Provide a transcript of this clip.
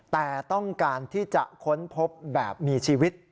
แต่ต้องการที่จะค้นพบแบบมีชีวิต